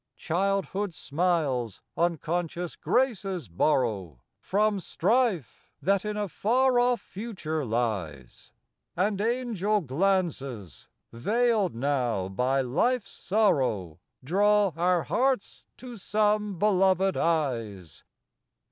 122 FROM QUEENS' GARDENS. Childhood's smiles unconscious graces borrow From Strife, that in a far off future lies; t *" And angel glances (veiled now by Life's sorrow) Draw our hearts to some beloved eyes.